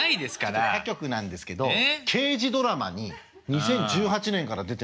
ちょっと他局なんですけど刑事ドラマに２０１８年から出てまして。